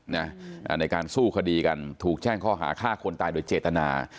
ในการสู้คดีกันถูกแจ้งข้อหาฆ่าคนตายโดยเจตนา